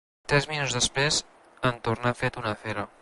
Tres minuts després en torna fet una fera.